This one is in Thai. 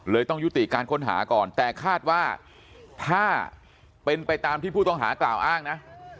ต้องยุติการค้นหาก่อนแต่คาดว่าถ้าเป็นไปตามที่ผู้ต้องหากล่าวอ้างนะ